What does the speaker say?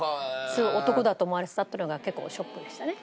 すごい男だと思われてたっていうのが結構ショックでしたね。